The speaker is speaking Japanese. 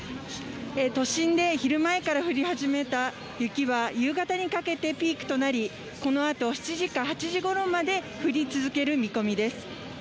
都心で昼前から降り始めた雪は、夕方にかけてピークとなり、このあと、７時か８時ごろまで降り続ける見込みです。